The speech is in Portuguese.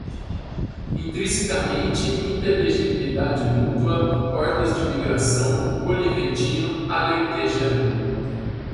intrinsecamente, inteligibilidade mútua, hordas de migração, oliventino, alentejano